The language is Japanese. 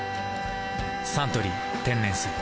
「サントリー天然水」